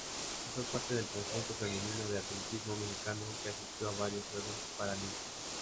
Fue parte del conjunto femenino de atletismo mexicano que asistió a varios Juegos Paralímpicos.